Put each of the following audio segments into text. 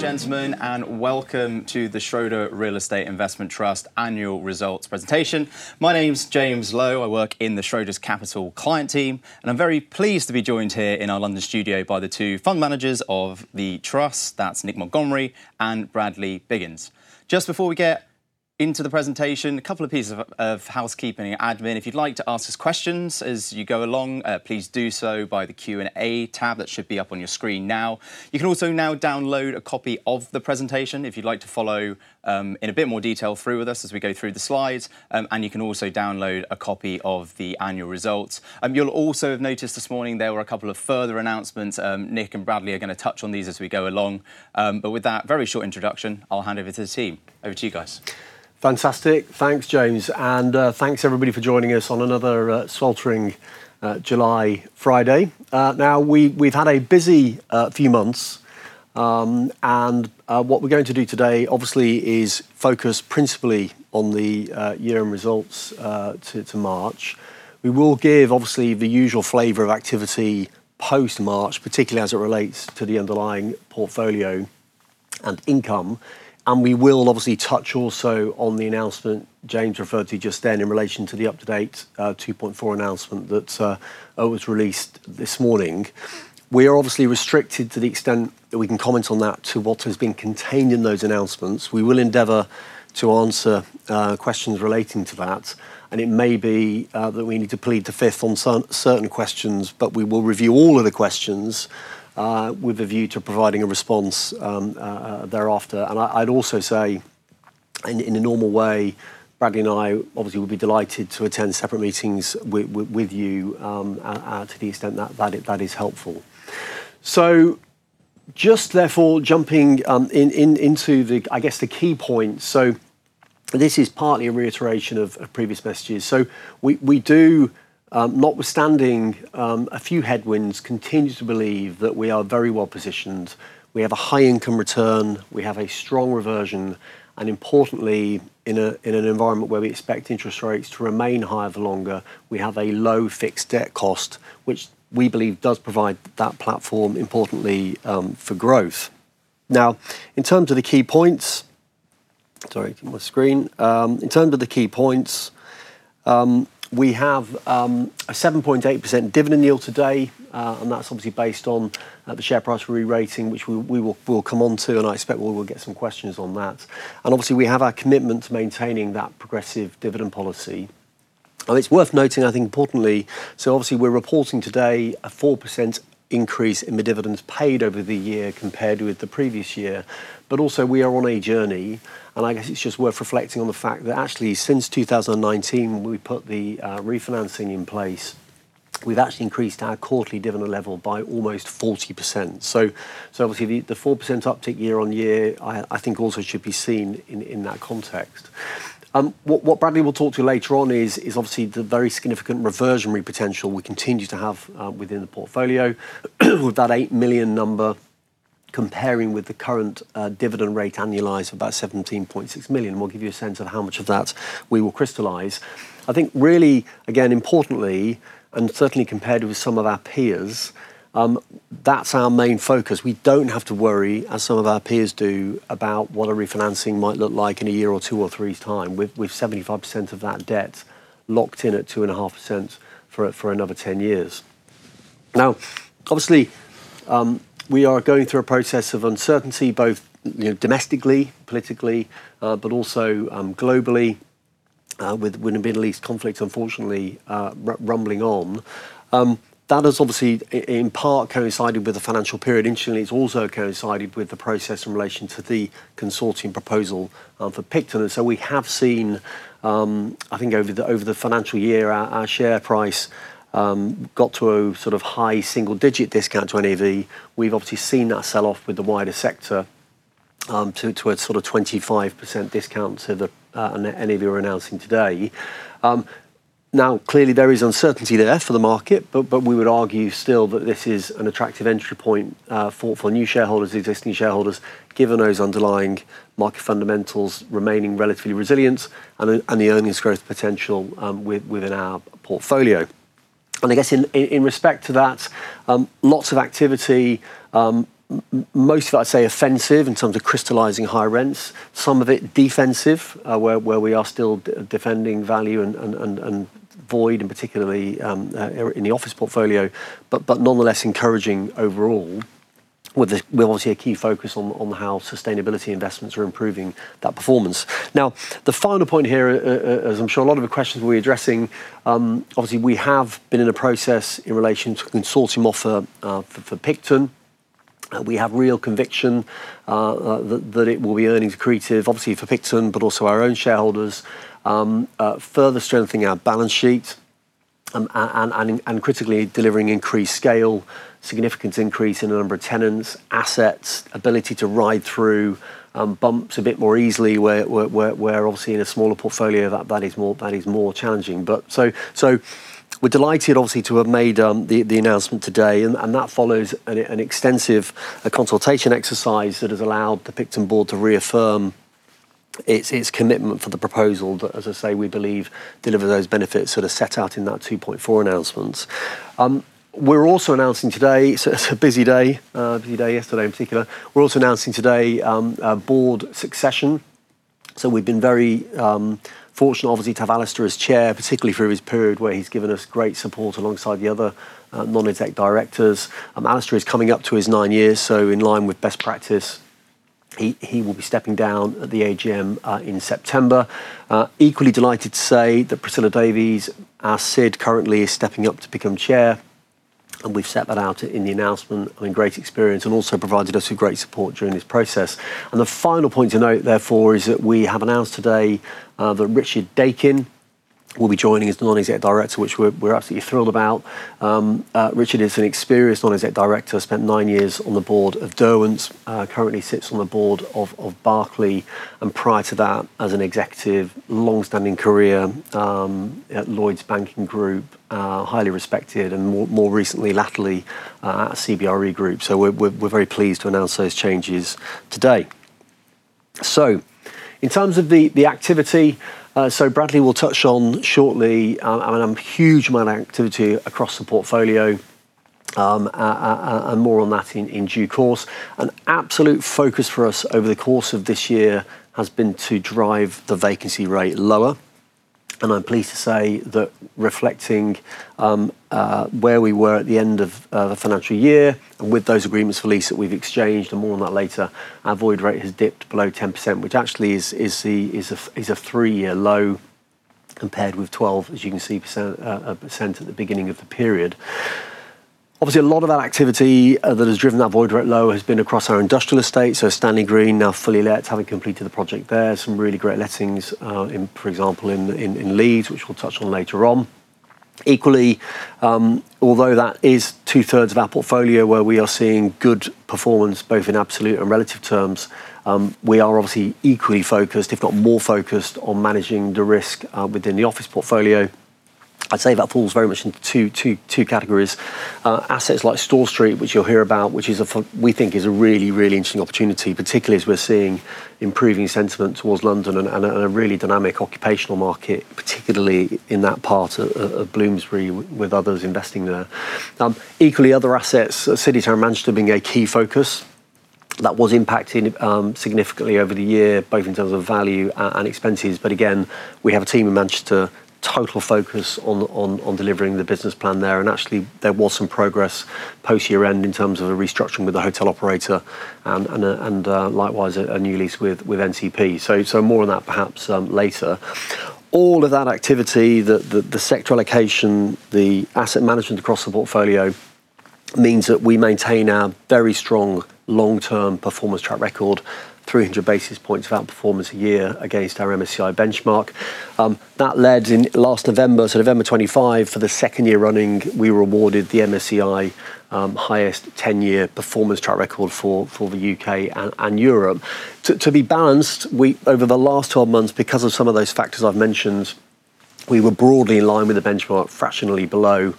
Good morning, ladies and gentlemen, and welcome to the Schroder Real Estate Investment Trust Annual Results Presentation. My name's James Lowe. I work in the Schroders Capital Client team, and I'm very pleased to be joined here in our London studio by the two fund managers of the trust. That's Nick Montgomery and Bradley Biggins. Just before we get into the presentation, a couple of pieces of housekeeping admin. If you'd like to ask us questions as you go along, please do so by the Q&A tab that should be up on your screen now. You can also now download a copy of the presentation if you'd like to follow in a bit more detail through with us as we go through the slides, and you can also download a copy of the annual results. You'll also have noticed this morning there were a couple of further announcements. Nick and Bradley are going to touch on these as we go along. With that very short introduction, I'll hand over to the team. Over to you guys. Fantastic. Thanks, James, and thanks everybody for joining us on another sweltering July Friday. We've had a busy few months, and what we're going to do today, obviously, is focus principally on the year-end results to March. We will give, obviously, the usual flavor of activity post-March, particularly as it relates to the underlying portfolio and income. We will obviously touch also on the announcement James referred to just then in relation to the up-to-date 2.4 announcement that was released this morning. We are obviously restricted to the extent that we can comment on that to what has been contained in those announcements. We will endeavor to answer questions relating to that, and it may be that we need to plead the Fifth on certain questions, but we will review all of the questions with a view to providing a response thereafter. I'd also say, in a normal way, Bradley and I obviously would be delighted to attend separate meetings with you, to the extent that is helpful. Just therefore jumping into, I guess, the key points. This is partly a reiteration of previous messages. We do, notwithstanding a few headwinds, continue to believe that we are very well-positioned. We have a high income return, we have a strong reversion, and importantly, in an environment where we expect interest rates to remain higher for longer, we have a low fixed debt cost, which we believe does provide that platform, importantly, for growth. In terms of the key points. Sorry, my screen. Turning to the key points. We have 7.8% dividend yield today. That's obviously based on the share price rerating, which we will come on to, I expect we will get some questions on that. Obviously, we have our commitment to maintaining that progressive dividend policy. It's worth noting, I think importantly, obviously we're reporting today a 4% increase in the dividends paid over the year compared with the previous year. Also we are on a journey, I guess it's just worth reflecting on the fact that actually since 2019, when we put the refinancing in place, we've actually increased our quarterly dividend level by almost 40%. Obviously the 4% uptick year-on-year, I think also should be seen in that context. What Bradley will talk to later on is obviously the very significant reversionary potential we continue to have within the portfolio with that 8 million number comparing with the current dividend rate annualized of about 17.6 million. We'll give you a sense of how much of that we will crystallize. I think really, again, importantly, certainly compared with some of our peers, that's our main focus. We don't have to worry, as some of our peers do, about what a refinancing might look like in a year or two or three years' time with 75% of that debt locked in at 2.5% for another 10 years. Obviously, we are going through a process of uncertainty, both domestically, politically, also globally, with the Middle East conflict, unfortunately, rumbling on. That has obviously in part coincided with the financial period. Incidentally, it's also coincided with the process in relation to the consortium proposal for Picton. We have seen, I think over the financial year, our share price got to a sort of high single-digit discount to NAV. We've obviously seen that sell-off with the wider sector towards sort of 25% discount to the NAV we're announcing today. Clearly there is uncertainty there for the market, we would argue still that this is an attractive entry point for new shareholders, existing shareholders, given those underlying market fundamentals remaining relatively resilient and the earnings growth potential within our portfolio. I guess in respect to that, lots of activity, most of that, I'd say, offensive in terms of crystallizing high rents, some of it defensive, where we are still defending value and void, particularly in the office portfolio, nonetheless encouraging overall with obviously a key focus on how sustainability investments are improving that performance. The final point here, as I'm sure a lot of the questions we'll be addressing, obviously, we have been in a process in relation to consortium offer for Picton. We have real conviction that it will be earnings accretive, obviously for Picton, also our own shareholders, further strengthening our balance sheet and critically delivering increased scale, significant increase in the number of tenants, assets, ability to ride through bumps a bit more easily where obviously in a smaller portfolio that is more challenging. We're delighted obviously to have made the announcement today, and that follows an extensive consultation exercise that has allowed the Picton board to reaffirm its commitment for the proposal that, as I say, we believe deliver those benefits that are set out in that Rule 2.4 announcements. We're also announcing today, it's a busy day, busy day yesterday in particular. We're also announcing today board succession. We've been very fortunate, obviously, to have Alastair as Chair, particularly through his period where he's given us great support alongside the other non-exec directors. Alastair is coming up to his nine years, so in line with best practice, he will be stepping down at the AGM in September. Equally delighted to say that Priscilla Davies, our SID currently, is stepping up to become Chair, and we've set that out in the announcement and in great experience, and also provided us with great support during this process. The final point to note, therefore, is that we have announced today that Richard Dakin will be joining as the non-exec director, which we're absolutely thrilled about. Richard is an experienced non-exec director, spent nine years on the board of Derwent, currently sits on the board of Barclays, and prior to that, as an executive, long-standing career at Lloyds Banking Group, highly respected, and more recently, latterly, at CBRE Group. We're very pleased to announce those changes today. In terms of the activity, Bradley will touch on shortly a huge amount of activity across the portfolio, and more on that in due course. An absolute focus for us over the course of this year has been to drive the vacancy rate lower, and I'm pleased to say that reflecting where we were at the end of the financial year, and with those Agreements for Lease that we've exchanged, and more on that later, our void rate has dipped below 10%, which actually is a three-year low compared with 12%, as you can see, at the beginning of the period. Obviously, a lot of that activity that has driven that void rate low has been across our industrial estate, Stanley Green now fully let, having completed the project there. Some really great lettings, for example, in Leeds, which we'll touch on later on. Equally, although that is 2/3 of our portfolio where we are seeing good performance both in absolute and relative terms, we are obviously equally focused, if not more focused on managing the risk within the office portfolio. I'd say that falls very much into two categories. Assets like Store Street, which you'll hear about, which we think is a really, really interesting opportunity, particularly as we're seeing improving sentiment towards London and a really dynamic occupational market, particularly in that part of Bloomsbury with others investing there. Equally, other assets, City Tower Manchester being a key focus. That was impacting significantly over the year, both in terms of value and expenses. Again, we have a team in Manchester, total focus on delivering the business plan there. Actually, there was some progress post-year-end in terms of a restructuring with the hotel operator and, likewise, a new lease with NCP. More on that perhaps later. All of that activity, the sector allocation, the asset management across the portfolio, means that we maintain our very strong long-term performance track record, 300 basis points of outperformance a year against our MSCI benchmark. That led in last November 2025, for the second year running, we were awarded the MSCI highest 10-year performance track record for the U.K. and Europe. To be balanced, over the last 12 months, because of some of those factors I've mentioned, we were broadly in line with the benchmark, fractionally below.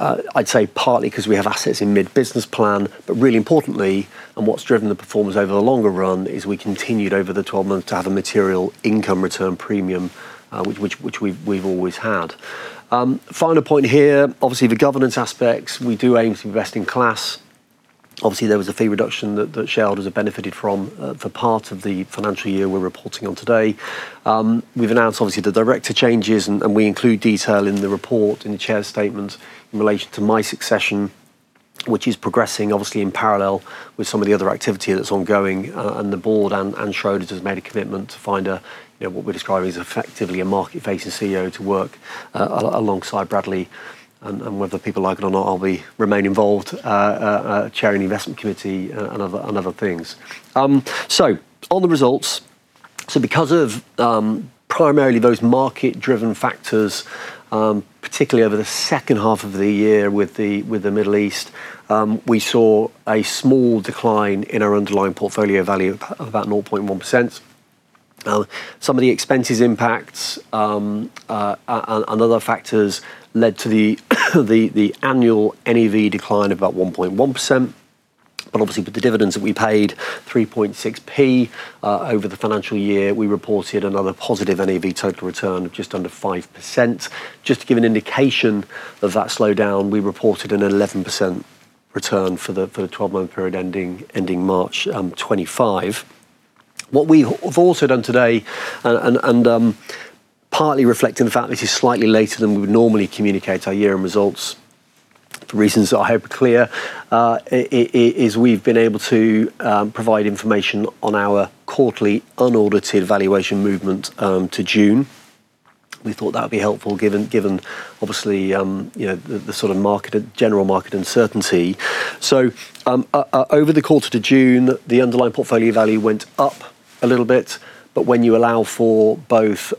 I'd say partly because we have assets in mid-business plan, but really importantly, and what's driven the performance over the longer run, is we continued over the 12 months to have a material income return premium, which we've always had. Final point here, obviously, the governance aspects, we do aim to invest in class. Obviously, there was a fee reduction that shareholders have benefited from for part of the financial year we're reporting on today. We've announced, obviously, the director changes, and we include detail in the report, in the chair's statement in relation to my succession, which is progressing, obviously, in parallel with some of the other activity that's ongoing, and the board and Schroders has made a commitment to find what we describe as effectively a market-facing CEO to work alongside Bradley. Whether people like it or not, I'll remain involved, chairing the investment committee and other things. On the results. Because of primarily those market-driven factors, particularly over the second half of the year with the Middle East, we saw a small decline in our underlying portfolio value of about 0.1%. Some of the expenses impacts and other factors led to the annual NAV decline of about 1.1%. Obviously, with the dividends that we paid, 0.036 over the financial year. We reported another positive NAV total return of just under 5%. Just to give an indication of that slowdown, we reported an 11% return for the 12-month period ending March 2025. What we have also done today, and partly reflecting the fact that is slightly later than we would normally communicate our year-end results, for reasons that I hope are clear, is we've been able to provide information on our quarterly unaudited valuation movement to June. We thought that'd be helpful given, obviously, the sort of general market uncertainty. Over the quarter to June, the underlying portfolio value went up a little bit, but when you allow for both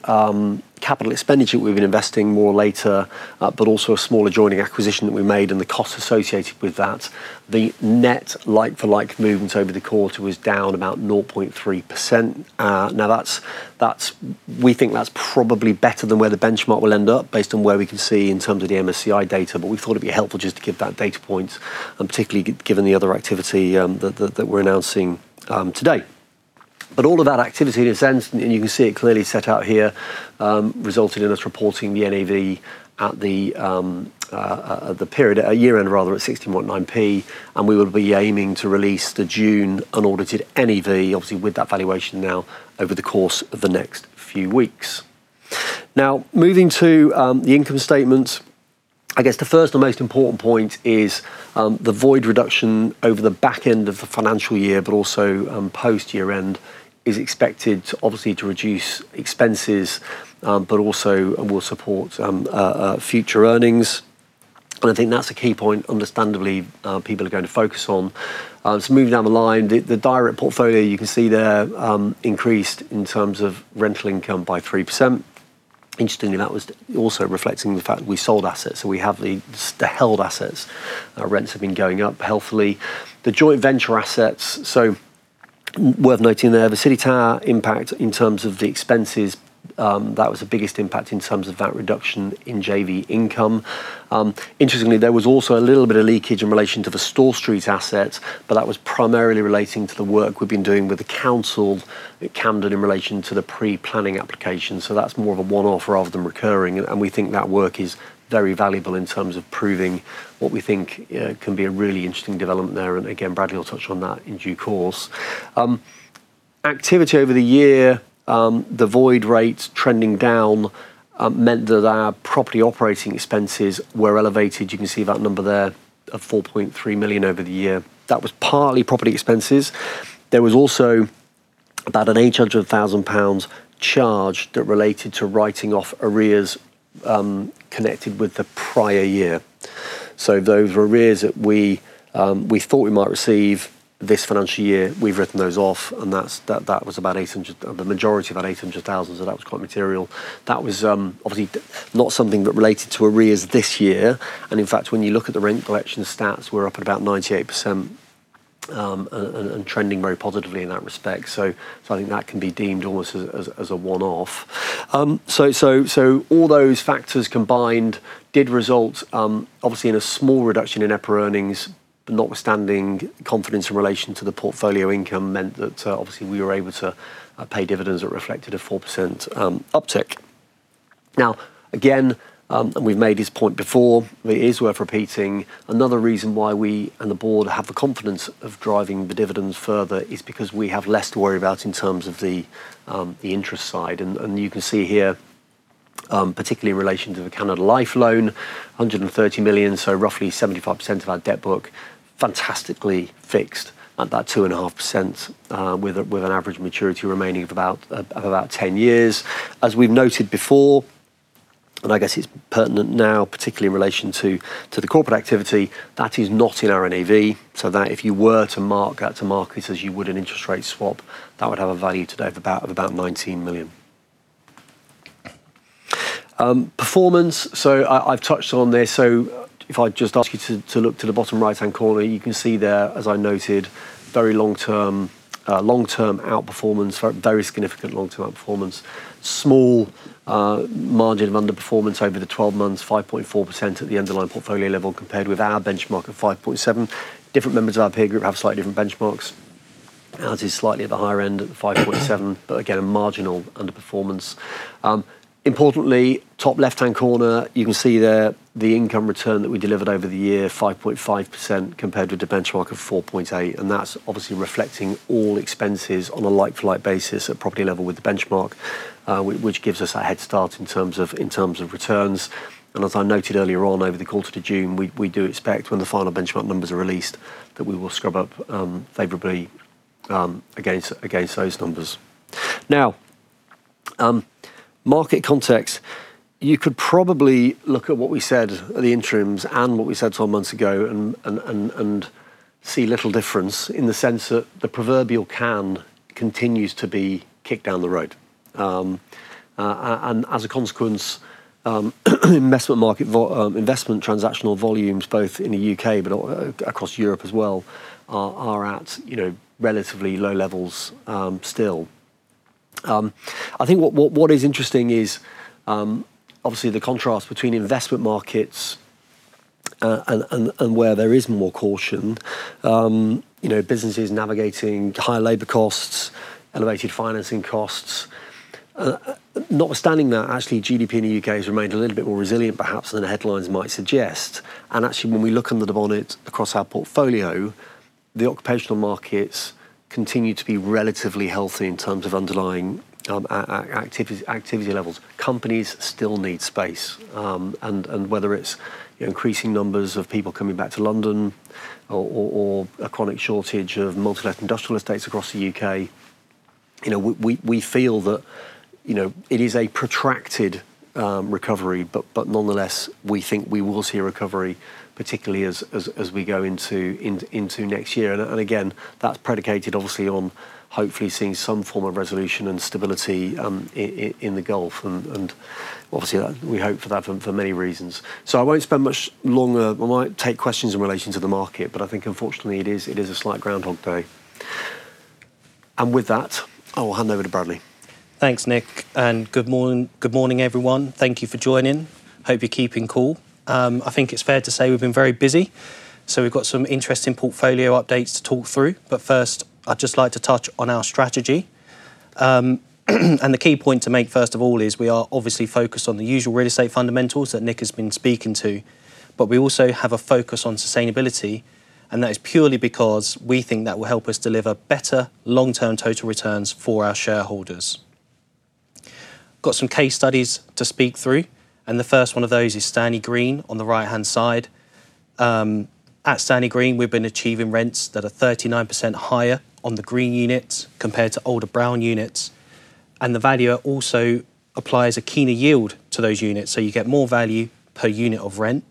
capital expenditure, we've been investing more later, but also a small adjoining acquisition that we made and the cost associated with that. The net like-for-like movement over the quarter was down about 0.3%. We think that's probably better than where the benchmark will end up based on where we can see in terms of the MSCI data, but we thought it'd be helpful just to give that data point, and particularly given the other activity that we're announcing today. All of that activity, in a sense, and you can see it clearly set out here, resulted in us reporting the NAV at the period, at year-end rather, at 0.169. We will be aiming to release the June unaudited NAV, obviously with that valuation now, over the course of the next few weeks. Moving to the income statement. I guess the first and most important point is the void reduction over the back end of the financial year, but also post year-end, is expected obviously to reduce expenses, but also will support future earnings. I think that's a key point, understandably, people are going to focus on. Let's move down the line. The direct portfolio, you can see there, increased in terms of rental income by 3%. Interestingly, that was also reflecting the fact that we sold assets. We have the held assets. Rents have been going up healthily. The joint venture assets, worth noting there, the City Tower impact in terms of the expenses, that was the biggest impact in terms of that reduction in JV income. Interestingly, there was also a little bit of leakage in relation to the Store Street assets, but that was primarily relating to the work we've been doing with the council at Camden in relation to the pre-planning application. That's more of a one-off rather than recurring, and we think that work is very valuable in terms of proving what we think can be a really interesting development there. Again, Bradley will touch on that in due course. Activity over the year, the void rates trending down meant that our property operating expenses were elevated. You can see that number there of 4.3 million over the year. That was partly property expenses. There was also about a 800,000 pounds charge that related to writing off arrears connected with the prior year. Those arrears that we thought we might receive this financial year, we've written those off, and the majority of that 800,000, that was quite material. That was obviously not something that related to arrears this year. In fact, when you look at the rent collection stats, we're up at about 98% and trending very positively in that respect. I think that can be deemed almost as a one-off. All those factors combined did result obviously in a small reduction in EPRA earnings, notwithstanding confidence in relation to the portfolio income meant that obviously we were able to pay dividends that reflected a 4% uptick. Now, again, we've made this point before, but it is worth repeating, another reason why we and the board have the confidence of driving the dividends further is because we have less to worry about in terms of the interest side. You can see here, particularly in relation to the Canada Life loan, 130 million, roughly 75% of our debt book, fantastically fixed at about 2.5% with an average maturity remaining of about 10 years. As we've noted before, I guess it's pertinent now, particularly in relation to the corporate activity, that is not in our NAV, that if you were to mark it as you would an interest rate swap, that would have a value today of about 19 million. Performance, so I've touched on this. If I just ask you to look to the bottom right-hand corner, you can see there, as I noted, very long-term outperformance, very significant long-term outperformance. Small margin of underperformance over the 12 months, 5.4% at the underlying portfolio level compared with our benchmark of 5.7%. Different members of our peer group have slightly different benchmarks. Ours is slightly at the higher end at the 5.7%, but again, a marginal underperformance. Importantly, top left-hand corner, you can see there the income return that we delivered over the year, 5.5% compared with the benchmark of 4.8%, and that's obviously reflecting all expenses on a like-for-like basis at property level with the benchmark, which gives us a head start in terms of returns. As I noted earlier on over the quarter to June, we do expect when the final benchmark numbers are released that we will scrub up favorably against those numbers. Now, market context. You could probably look at what we said at the interims and what we said 12 months ago and see little difference in the sense that the proverbial can continues to be kicked down the road. As a consequence, investment transactional volumes both in the U.K., but across Europe as well, are at relatively low levels still. I think what is interesting is obviously the contrast between investment markets and where there is more caution. Businesses navigating higher labor costs, elevated financing costs. Notwithstanding that, actually GDP in the U.K. has remained a little bit more resilient, perhaps, than the headlines might suggest. Actually, when we look under the bonnet across our portfolio, the occupational markets continue to be relatively healthy in terms of underlying activity levels. Companies still need space. Whether it's increasing numbers of people coming back to London or a chronic shortage of multi-let industrial estates across the U.K.. We feel that it is a protracted recovery, but nonetheless, we think we will see a recovery, particularly as we go into next year. Again, that's predicated obviously on hopefully seeing some form of resolution and stability in the Gulf, and obviously, we hope for that for many reasons. I won't spend much longer. I might take questions in relation to the market, but I think unfortunately it is a slight Groundhog Day. With that, I will hand over to Bradley. Thanks, Nick, and good morning, everyone. Thank you for joining. Hope you're keeping cool. I think it's fair to say we've been very busy, so we've got some interesting portfolio updates to talk through. First, I'd just like to touch on our strategy. The key point to make, first of all, is we are obviously focused on the usual real estate fundamentals that Nick has been speaking to, but we also have a focus on sustainability, and that is purely because we think that will help us deliver better long-term total returns for our shareholders. Got some case studies to speak through, and the first one of those is Stanley Green on the right-hand side. At Stanley Green, we've been achieving rents that are 39% higher on the green units compared to older brown units. The valuer also applies a keener yield to those units, so you get more value per unit of rent.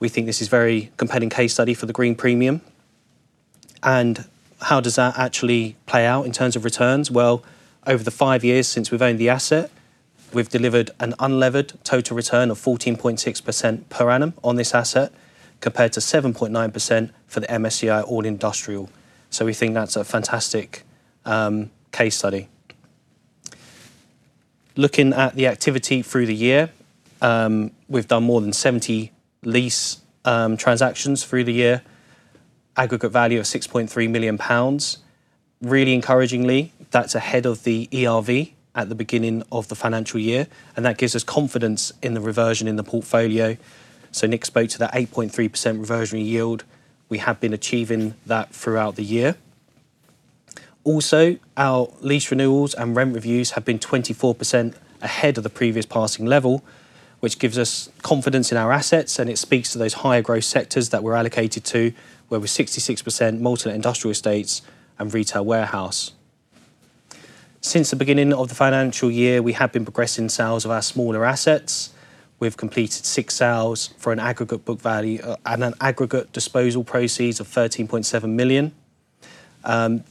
We think this is very compelling case study for the green premium. How does that actually play out in terms of returns? Well, over the five years since we've owned the asset, we've delivered an unlevered total return of 14.6% per annum on this asset, compared to 7.9% for the MSCI All Industrial. We think that's a fantastic case study. Looking at the activity through the year. We've done more than 70 lease transactions through the year, aggregate value of 6.3 million pounds. Really encouragingly, that's ahead of the ERV at the beginning of the financial year, and that gives us confidence in the reversion in the portfolio. Nick spoke to that 8.3% reversionary yield. We have been achieving that throughout the year. Our lease renewals and rent reviews have been 24% ahead of the previous passing level, which gives us confidence in our assets, and it speaks to those higher growth sectors that we're allocated to, where we're 66% multi-let industrial estates and retail warehouse. Since the beginning of the financial year, we have been progressing sales of our smaller assets. We've completed six sales for an aggregate disposal proceeds of 13.7 million.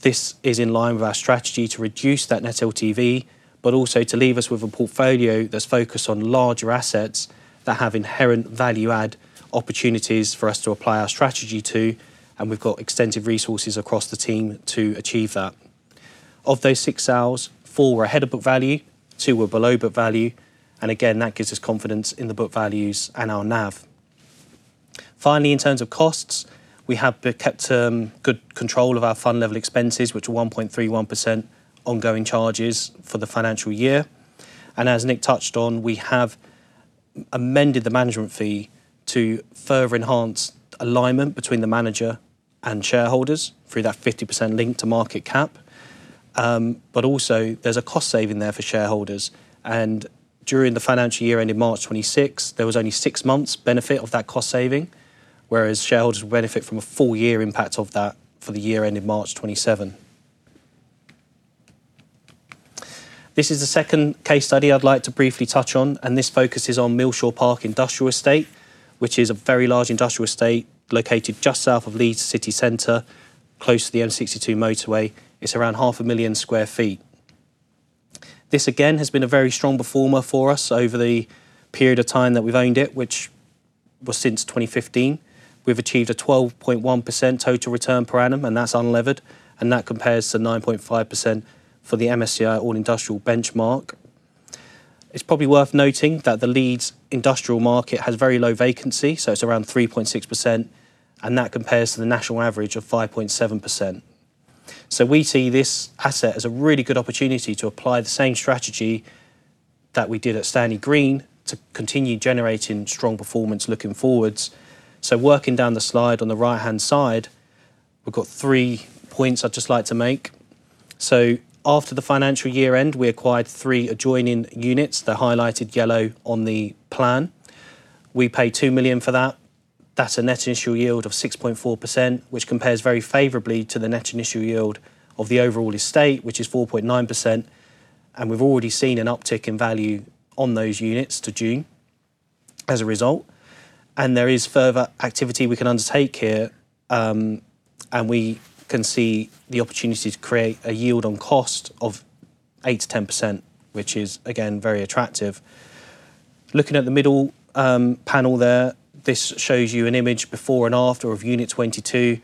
This is in line with our strategy to reduce that net LTV, but also to leave us with a portfolio that's focused on larger assets that have inherent value add opportunities for us to apply our strategy to, and we've got extensive resources across the team to achieve that. Of those six sales, four were ahead of book value, two were below book value. Again, that gives us confidence in the book values and our NAV. Finally, in terms of costs, we have kept good control of our fund level expenses, which are 1.31% ongoing charges for the financial year. As Nick touched on, we have amended the management fee to further enhance alignment between the manager and shareholders through that 50% link to market cap. Also, there's a cost saving there for shareholders. During the financial year ended March 2026, there was only six months benefit of that cost saving, whereas shareholders benefit from a full year impact of that for the year ended March 2027. This is the second case study I'd like to briefly touch on, this focus is on Millshaw Park Industrial Estate, which is a very large industrial estate located just south of Leeds City Center, close to the M62 motorway. It's around 0.5 million sq ft. This, again, has been a very strong performer for us over the period of time that we've owned it, which was since 2015. We've achieved a 12.1% total return per annum, and that's unlevered, and that compares to 9.5% for the MSCI All Industrial benchmark. It's probably worth noting that the Leeds industrial market has very low vacancy, so it's around 3.6%, and that compares to the national average of 5.7%. We see this asset as a really good opportunity to apply the same strategy that we did at Stanley Green to continue generating strong performance looking forwards. Working down the slide on the right-hand side, we've got three points I'd just like to make. After the financial year end, we acquired three adjoining units, the highlighted yellow on the plan. We paid 2 million for that. That's a net initial yield of 6.4%, which compares very favorably to the net initial yield of the overall estate, which is 4.9%. We've already seen an uptick in value on those units to June as a result. There is further activity we can undertake here, we can see the opportunity to create a yield on cost of 8%-10%, which is, again, very attractive. Looking at the middle panel there, this shows you an image before and after of Unit 22,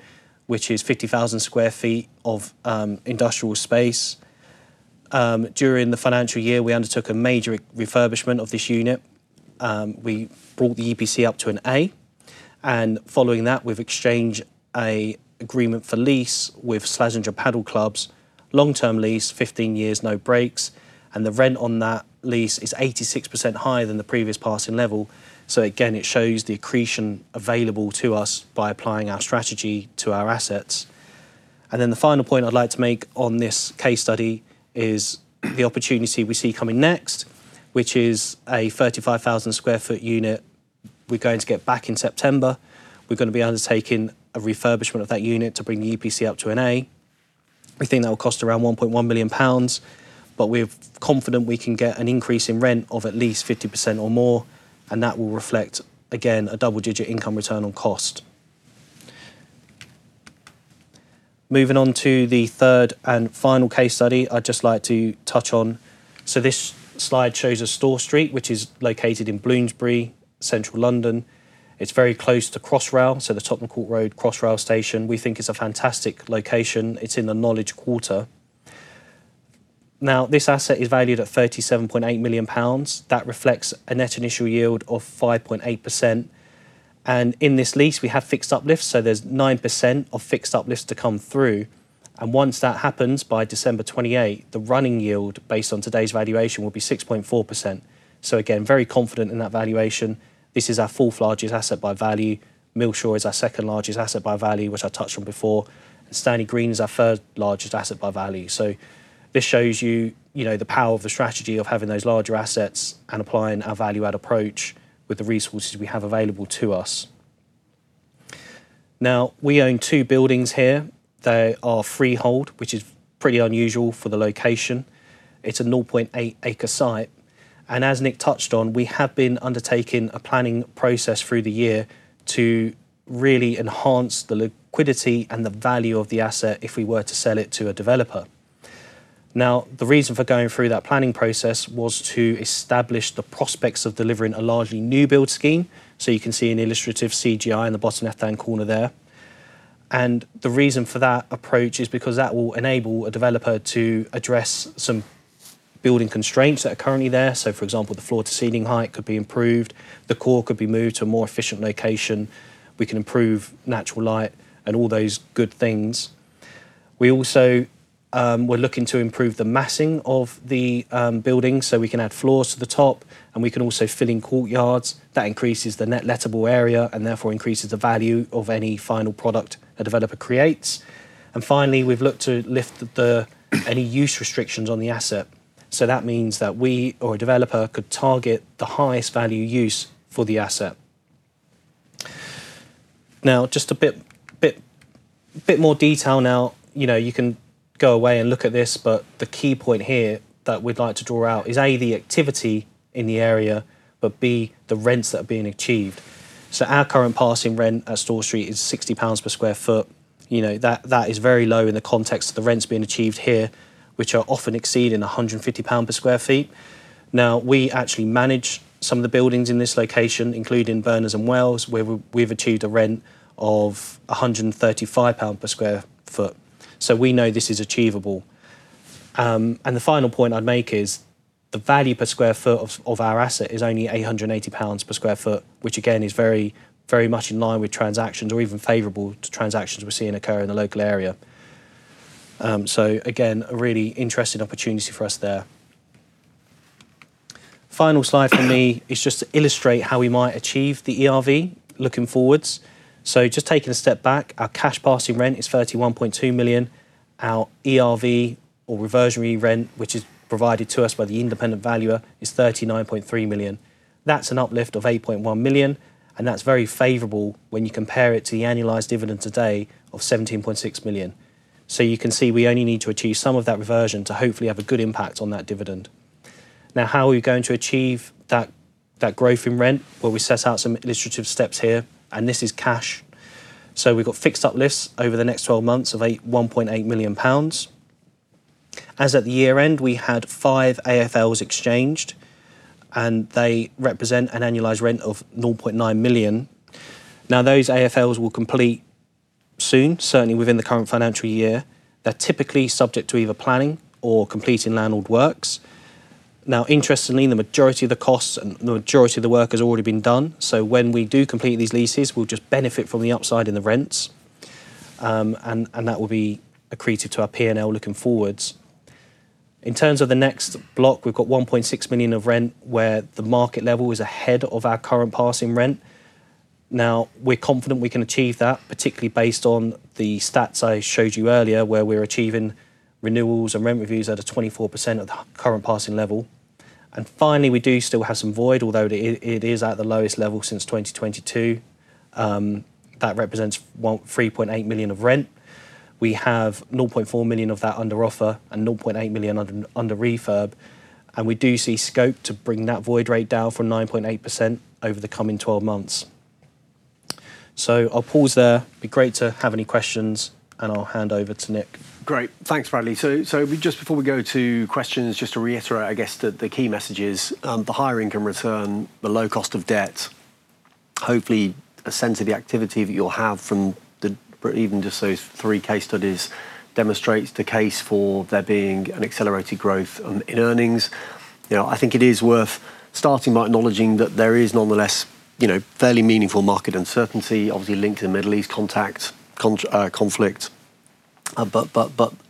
which is 50,000 sq ft of industrial space. During the financial year, we undertook a major refurbishment of this unit. We brought the EPC up to an A. Following that, we've exchanged an agreement for lease with Slazenger Padel Clubs, long-term lease, 15 years, no breaks. The rent on that lease is 86% higher than the previous passing level. Again, it shows the accretion available to us by applying our strategy to our assets. Then the final point I'd like to make on this case study is the opportunity we see coming next, which is a 35,000 sq ft unit we're going to get back in September. We're going to be undertaking a refurbishment of that unit to bring the EPC up to an A. We think that will cost around 1.1 million pounds, we're confident we can get an increase in rent of at least 50% or more, that will reflect, again, a double-digit income return on cost. Moving on to the third and final case study I'd just like to touch on. This slide shows us Store Street, which is located in Bloomsbury, Central London. It's very close to Crossrail, the Tottenham Court Road Crossrail station. We think it's a fantastic location. It's in the Knowledge Quarter. This asset is valued at 37.8 million pounds. That reflects a Net Initial Yield of 5.8%. In this lease, we have fixed uplifts, there's 9% of fixed uplifts to come through. Once that happens, by December 2028, the running yield based on today's valuation will be 6.4%. Again, very confident in that valuation. This is our fourth largest asset by value. Millshaw is our second largest asset by value, which I touched on before. Stanley Green is our third largest asset by value. This shows you the power of the strategy of having those larger assets and applying our value-add approach with the resources we have available to us. We own two buildings here. They are freehold, which is pretty unusual for the location. It's a 0.8 acre site. As Nick touched on, we have been undertaking a planning process through the year to really enhance the liquidity and the value of the asset if we were to sell it to a developer. The reason for going through that planning process was to establish the prospects of delivering a largely new build scheme. You can see an illustrative CGI in the bottom left-hand corner there. The reason for that approach is because that will enable a developer to address some building constraints that are currently there. For example, the floor-to-ceiling height could be improved, the core could be moved to a more efficient location, we can improve natural light and all those good things. We also were looking to improve the massing of the building, we can add floors to the top, we can also fill in courtyards. That increases the net lettable area and therefore increases the value of any final product a developer creates. Finally, we've looked to lift any use restrictions on the asset. That means that we or a developer could target the highest value use for the asset. Just a bit more detail now. You can go away and look at this, but the key point here that we'd like to draw out is, A, the activity in the area, but B, the rents that are being achieved. Our current passing rent at Store Street is 60 pounds/sq ft. That is very low in the context of the rents being achieved here, which are often exceeding 150 pounds/sq ft. We actually manage some of the buildings in this location, including Berners & Wells, where we've achieved a rent of 135 pounds/sq ft. We know this is achievable. The final point I'd make is the value per square feet of our asset is only 880 pounds/sq ft, which again, is very much in line with transactions or even favorable to transactions we're seeing occur in the local area. Again, a really interesting opportunity for us there. Final slide from me is just to illustrate how we might achieve the ERV looking forwards. Just taking a step back, our cash passing rent is 31.2 million. Our ERV or reversionary rent, which is provided to us by the independent valuer, is 39.3 million. That's an uplift of 8.1 million, and that's very favorable when you compare it to the annualized dividend today of 17.6 million. You can see, we only need to achieve some of that reversion to hopefully have a good impact on that dividend. How are we going to achieve that growth in rent? We set out some illustrative steps here, and this is cash. We've got fixed uplifts over the next 12 months of 1.8 million pounds. As at the year end, we had five AFLs exchanged, and they represent an annualized rent of 0.9 million. Those AFLs will complete soon, certainly within the current financial year. They're typically subject to either planning or completing landlord works. Interestingly, the majority of the costs and the majority of the work has already been done. When we do complete these leases, we'll just benefit from the upside in the rents. That will be accretive to our P&L looking forwards. In terms of the next block, we've got 1.6 million of rent where the market level is ahead of our current passing rent. We're confident we can achieve that, particularly based on the stats I showed you earlier, where we're achieving renewals and rent reviews at a 24% of the current passing level. Finally, we do still have some void, although it is at the lowest level since 2022. That represents 3.8 million of rent. We have 0.4 million of that under offer and 0.8 million under refurb. We do see scope to bring that void rate down from 9.8% over the coming 12 months. I'll pause there. It'd be great to have any questions, and I'll hand over to Nick. Great. Thanks, Bradley. Just before we go to questions, just to reiterate, I guess, the key messages. The higher income return, the low cost of debt, hopefully a sense of the activity that you'll have from even just those three case studies demonstrates the case for there being an accelerated growth in earnings. I think it is worth starting by acknowledging that there is nonetheless fairly meaningful market uncertainty, obviously linked to the Middle East conflict.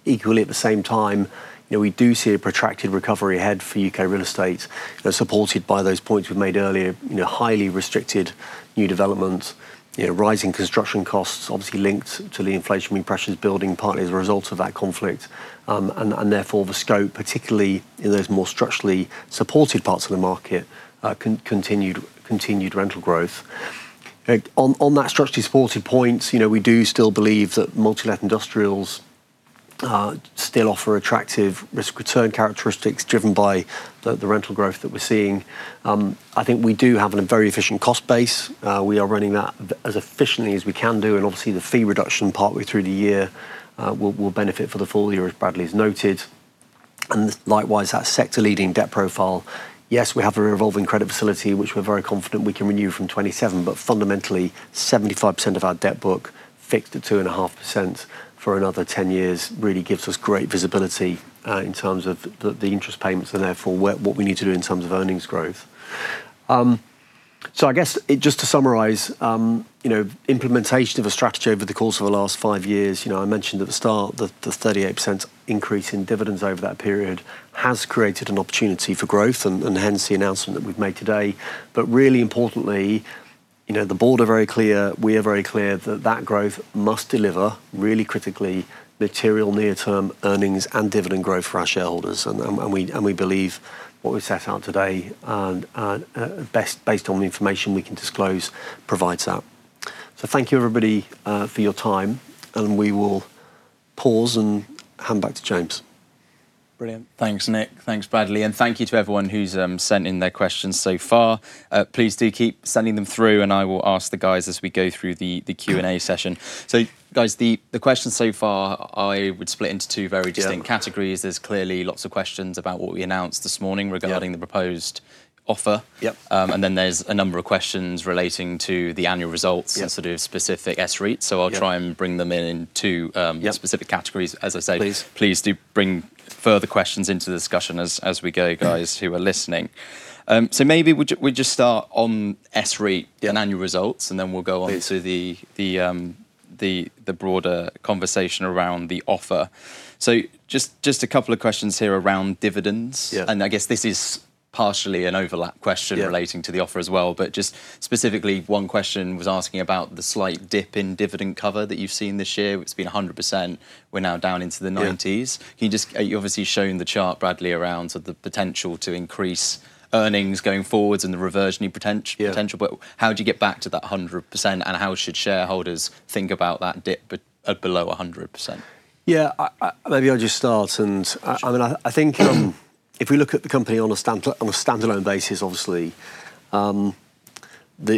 Equally at the same time, we do see a protracted recovery ahead for U.K. real estate that's supported by those points we've made earlier, highly restricted new developments, rising construction costs obviously linked to the inflation pressures building partly as a result of that conflict. Therefore the scope, particularly in those more structurally supported parts of the market, continued rental growth. On that structurally supported point, we do still believe that multi-let industrials still offer attractive risk-return characteristics driven by the rental growth that we're seeing. I think we do have a very efficient cost base. We are running that as efficiently as we can do, and obviously the fee reduction partway through the year will benefit for the full year, as Bradley's noted. Likewise, that sector-leading debt profile. Yes, we have a revolving credit facility, which we're very confident we can renew from 2027, but fundamentally, 75% of our debt book fixed at 2.5% for another 10 years really gives us great visibility in terms of the interest payments and therefore what we need to do in terms of earnings growth. I guess, just to summarize, implementation of a strategy over the course of the last five years, I mentioned at the start the 38% increase in dividends over that period has created an opportunity for growth, and hence the announcement that we've made today. Really importantly, the board are very clear, we are very clear that that growth must deliver really critically material near-term earnings and dividend growth for our shareholders. We believe what we've set out today and based on the information we can disclose, provides that. Thank you, everybody, for your time, and we will pause and hand back to James. Brilliant. Thanks, Nick. Thanks, Bradley, and thank you to everyone who's sent in their questions so far. Please do keep sending them through, and I will ask the guys as we go through the Q&A session. Guys, the questions so far, I would split into two very distinct categories. There's clearly lots of questions about what we announced this morning regarding the proposed offer. Yep. There's a number of questions relating to the annual results. Specific SREIT, I'll try and bring them in in two specific categories. As I say, Please do bring further questions into the discussion as we go, guys, who are listening. Maybe we'll just start on SREIT and annual results, we'll go on to the broader conversation around the offer. Just a couple of questions here around dividends. Yeah. I guess this is partially an overlap question relating to the offer as well, just specifically, one question was asking about the slight dip in dividend cover that you've seen this year, which has been 100%. We're now down into the 90s. You've obviously shown the chart, Bradley, around the potential to increase earnings going forwards and the reversion potential. How do you get back to that 100%, and how should shareholders think about that dip below 100%? Yeah. Maybe I'll just start. I think if we look at the company on a standalone basis, obviously, there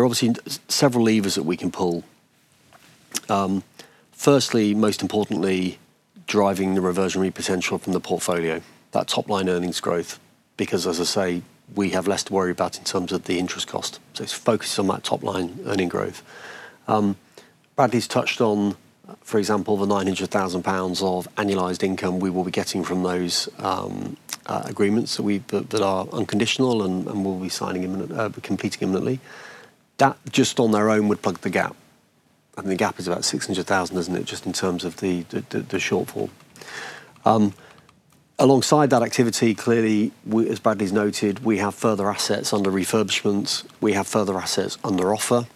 are obviously several levers that we can pull. Firstly, most importantly, driving the reversionary potential from the portfolio, that top-line earnings growth, because as I say, we have less to worry about in terms of the interest cost. It's focused on that top-line earning growth. Bradley's touched on, for example, the 900,000 pounds of annualized income we will be getting from those agreements that are unconditional and we'll be completing imminently. That just on their own would plug the gap. The gap is about 600,000, isn't it, just in terms of the shortfall. Alongside that activity, clearly, as Bradley's noted, we have further assets under refurbishments, we have further assets under offer,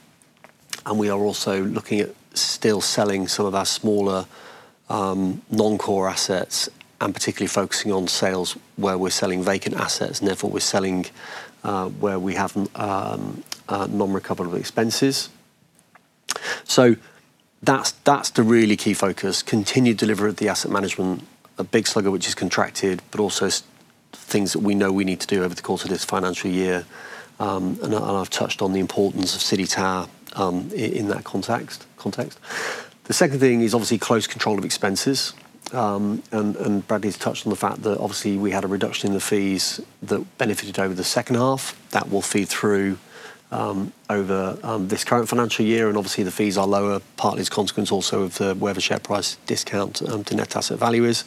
and we are also looking at still selling some of our smaller non-core assets, and particularly focusing on sales where we're selling vacant assets and therefore we're selling where we have non-recoverable expenses. That's the really key focus, continued delivery of the asset management, a big slug of which is contracted, but also things that we know we need to do over the course of this financial year, and I've touched on the importance of City Tower in that context. The second thing is obviously close control of expenses, and Bradley's touched on the fact that obviously we had a reduction in the fees that benefited over the second half. That will feed through, over this current financial year, obviously the fees are lower, partly as a consequence also of where the share price discount to net asset value is.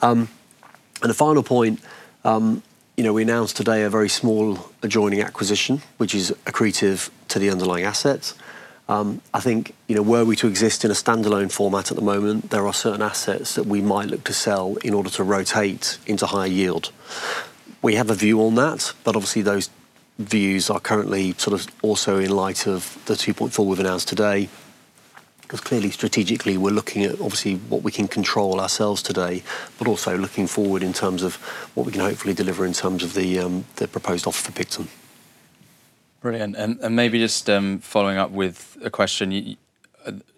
The final point, we announced today a very small adjoining acquisition, which is accretive to the underlying assets. I think, were we to exist in a standalone format at the moment, there are certain assets that we might look to sell in order to rotate into high yield. We have a view on that, but obviously those views are currently also in light of the 2.4 we've announced today, because clearly, strategically, we're looking at obviously what we can control ourselves today, but also looking forward in terms of what we can hopefully deliver in terms of the proposed offer for Picton. Brilliant. Maybe just following up with a question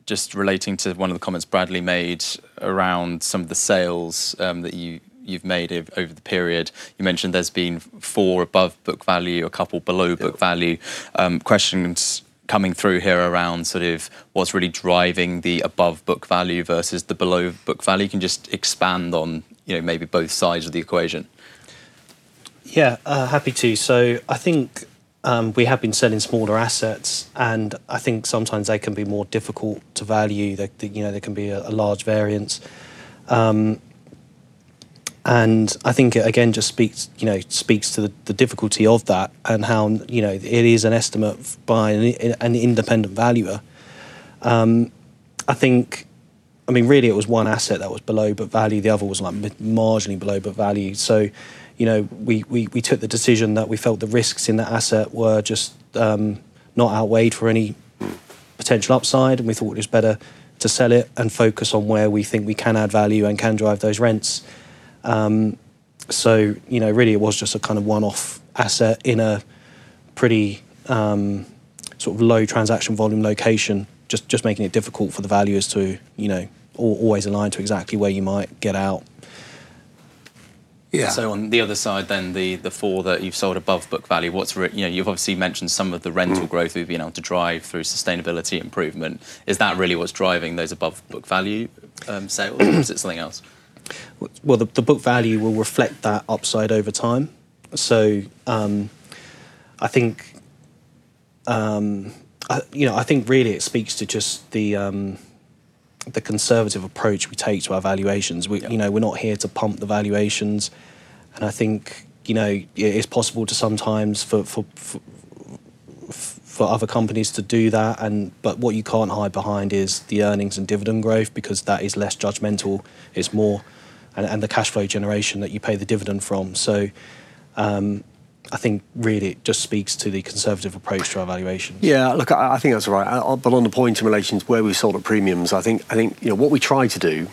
just relating to one of the comments Bradley made around some of the sales that you've made over the period. You mentioned there's been four above book value, a couple below book value. Questions coming through here around what's really driving the above book value versus the below book value. Can you just expand on maybe both sides of the equation? Yeah, happy to. I think we have been selling smaller assets, and I think sometimes they can be more difficult to value. There can be a large variance. I think, again, it just speaks to the difficulty of that and how it is an estimate by an independent valuer. Really, it was one asset that was below book value. The other was marginally below book value. We took the decision that we felt the risks in that asset were just not outweighed for any potential upside, and we thought it was better to sell it and focus on where we think we can add value and can drive those rents. Really it was just a one-off asset in a pretty low transaction volume location, just making it difficult for the valuers to always align to exactly where you might get out. On the other side then, the four that you've sold above book value, you've obviously mentioned some of the rental growth we've been able to drive through sustainability improvement. Is that really what's driving those above book value sales, or is it something else? Well, the book value will reflect that upside over time. I think really it speaks to just the conservative approach we take to our valuations. We're not here to pump the valuations, I think it's possible to sometimes for other companies to do that, what you can't hide behind is the earnings and dividend growth, because that is less judgmental, and the cash flow generation that you pay the dividend from. I think really it just speaks to the conservative approach to our valuations. Yeah, look, I think that's all right. On the point in relation to where we've sold at premiums, I think, what we try to do,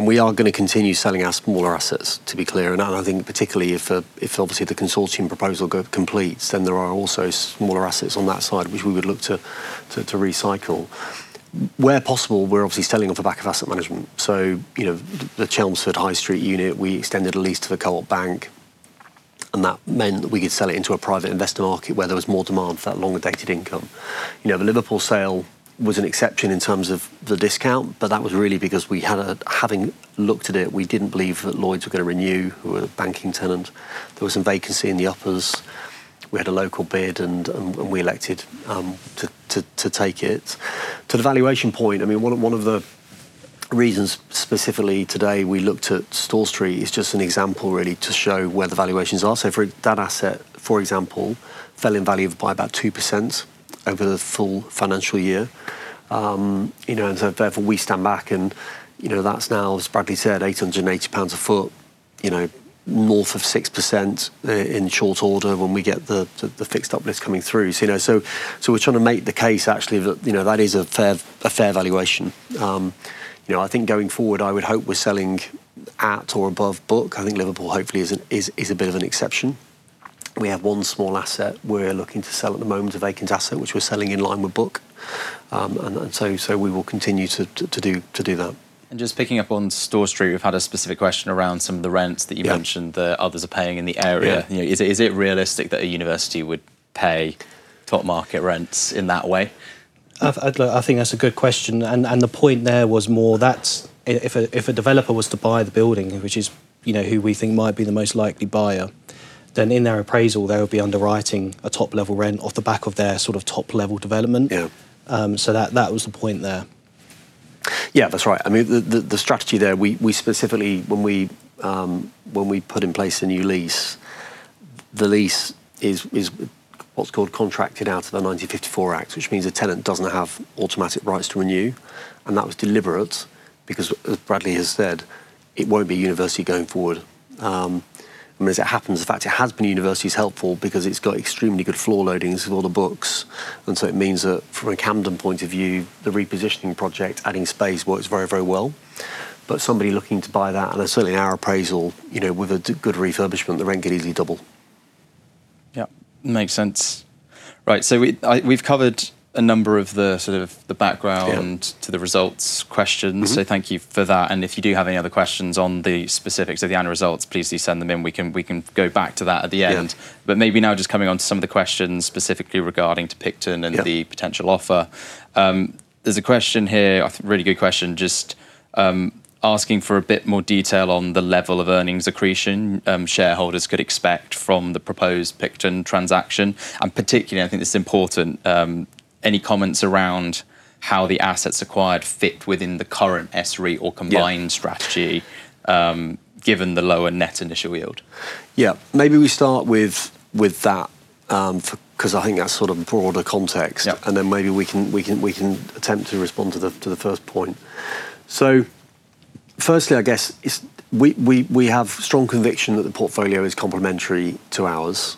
we are going to continue selling our smaller assets, to be clear, I think particularly if obviously the consortium proposal completes, there are also smaller assets on that side, which we would look to recycle. Where possible, we're obviously selling off the back of asset management. The Chelmsford High Street unit, we extended a lease to The Co-operative Bank, that meant that we could sell it into a private investor market where there was more demand for that longer-dated income. The Liverpool sale was an exception in terms of the discount, that was really because having looked at it, we didn't believe that Lloyds were going to renew, who were the banking tenant. There was some vacancy in the uppers. We had a local bid, we elected to take it. To the valuation point, I mean, one of the reasons specifically today we looked at Store Street is just an example, really, to show where the valuations are. For that asset, for example, fell in value by about 2% over the full financial year. Therefore we stand back and that's now, as Bradley said, 880 pounds/sq ft, north of 6% in short order when we get the fixed up lifts coming through. We're trying to make the case actually that is a fair valuation. I think going forward, I would hope we're selling at or above book. I think Liverpool hopefully is a bit of an exception. We have one small asset we're looking to sell at the moment, a vacant asset, which we're selling in line with book. We will continue to do that. Just picking up on Store Street, we've had a specific question around some of the rents that you mentioned that others are paying in the area. Is it realistic that a university would pay top market rents in that way? I think that's a good question. The point there was more that if a developer was to buy the building, which is who we think might be the most likely buyer, then in their appraisal, they would be underwriting a top-level rent off the back of their top-level development. Yeah. That was the point there. Yeah, that's right. I mean, the strategy there, we specifically when we put in place a new lease, the lease is what's called contracted out of the 1954 Act, which means a tenant doesn't have automatic rights to renew, and that was deliberate, because as Bradley has said, it won't be university going forward. I mean, as it happens, the fact it has been a university is helpful because it's got extremely good floor loadings with all the books, it means that from a Camden point of view, the repositioning project, adding space works very, very well. Somebody looking to buy that, and certainly our appraisal, with a good refurbishment, the rent could easily double. Yeah. Makes sense. Right. We've covered a number of the sort of the background to the results questions. Thank you for that, and if you do have any other questions on the specifics of the annual results, please do send them in. We can go back to that at the end. Yeah. Maybe now just coming onto some of the questions specifically regarding to Picton. The potential offer. There's a question here, a really good question, just asking for a bit more detail on the level of earnings accretion shareholders could expect from the proposed Picton transaction. Particularly, I think this is important, any comments around how the assets acquired fit within the current SREIT or combined strategy, given the lower Net Initial Yield. Yeah. Maybe we start with that, because I think that's sort of broader context. Maybe we can attempt to respond to the first point. Firstly, I guess, we have strong conviction that the portfolio is complementary to ours.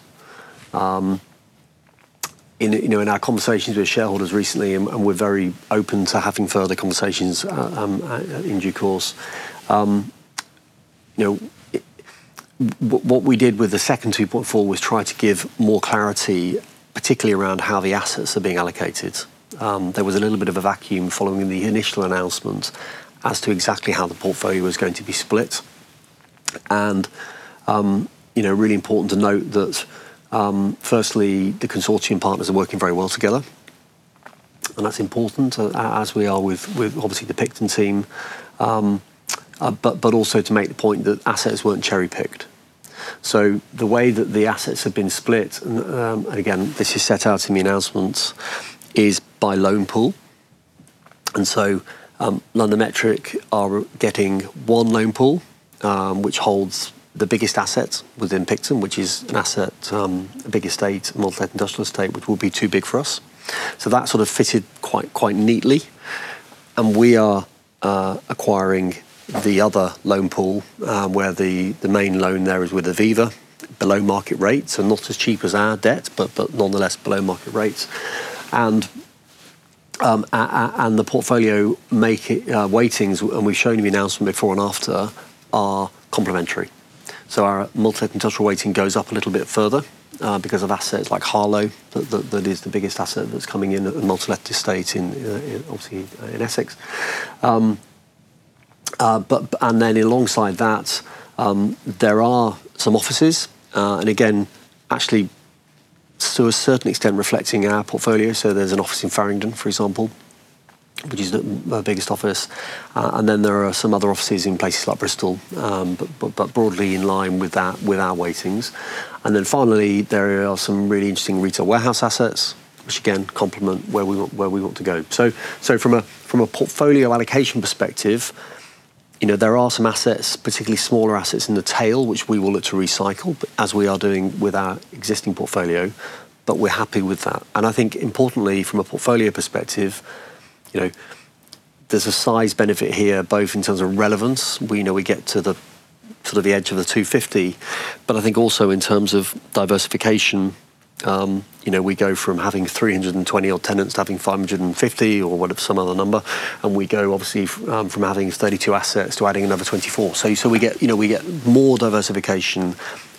In our conversations with shareholders recently, and we are very open to having further conversations in due course, what we did with the second Rule 2.4 was try to give more clarity, particularly around how the assets are being allocated. There was a little bit of a vacuum following the initial announcement as to exactly how the portfolio was going to be split. Really important to note that, firstly, the consortium partners are working very well together, and that is important, as we are with obviously the Picton team, but also to make the point that assets weren't cherry-picked. The way that the assets have been split, and again, this is set out in the announcements, is by loan pool. LondonMetric are getting one loan pool, which holds the biggest assets within Picton, which is an asset, a big estate, multi-let industrial estate, which would be too big for us. That sort of fitted quite neatly. We are acquiring the other loan pool, where the main loan there is with Aviva, below market rates, and not as cheap as our debt, but nonetheless below market rates. The portfolio weightings, and we have shown in the announcement before and after, are complementary. Our multi-let industrial weighting goes up a little bit further, because of assets like Harlow. That is the biggest asset that is coming in, a multi-let estate obviously in Essex. Alongside that, there are some offices, and again, actually to a certain extent, reflecting our portfolio. There is an office in Farringdon, for example, which is the biggest office. There are some other offices in places like Bristol, but broadly in line with our weightings. Finally, there are some really interesting retail warehouse assets, which again, complement where we want to go. From a portfolio allocation perspective, there are some assets, particularly smaller assets in the tail, which we will look to recycle, as we are doing with our existing portfolio. We are happy with that. I think importantly, from a portfolio perspective, there is a size benefit here, both in terms of relevance. We get to the edge of the 250. I think also in terms of diversification, we go from having 320 old tenants to having 550 or whatever, some other number, and we go obviously, from adding 32 assets to adding another 24. We get more diversification,